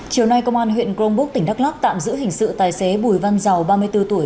chiều nay công an huyện crongbuk tỉnh đắk lắc tạm giữ hình sự tài xế bùi văn giàu ba mươi bốn tuổi